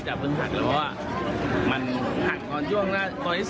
เมื่อเมื่อเมื่อ